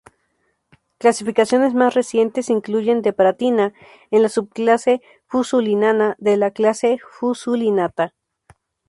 Clasificaciones más recientes incluyen "Depratina"en la subclase Fusulinana de la clase Fusulinata.